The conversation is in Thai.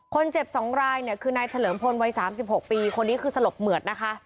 ๒รายเนี่ยคือนายเฉลิมพลวัย๓๖ปีคนนี้คือสลบเหมือดนะคะ